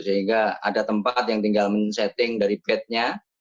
sehingga ada tempat yang tinggal men setting dari bednya